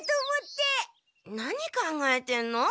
何考えてんの？